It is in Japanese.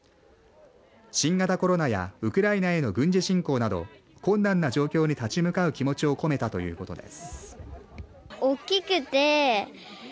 新型コロナやウクライナへの軍事侵攻など困難な状況に立ち向かう気持ちを込めたということです。